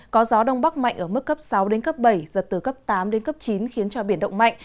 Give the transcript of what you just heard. có gió đông bắc mạnh ở mức cấp sáu đến cấp bảy giật từ cấp tám đến cấp chín khiến cho biển động mạnh